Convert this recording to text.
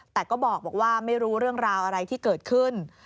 แต่ก็บอกว่าไม่รู้เรื่องราวอะไรที่เกิดขึ้น